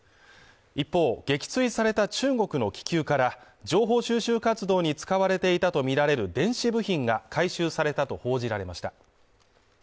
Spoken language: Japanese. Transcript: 一方撃墜された中国の気球から情報収集活動に使われていたとみられる電子部品が回収されたと報じられました